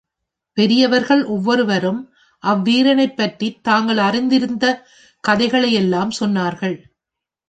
பெரியவர்கள் ஒவ்வொருவரும் அவ்வீரனைப்பற்றித் தாங்கள் அறிந்திருந்த கதைகளையெல்லாம் சொன்னார்கள்.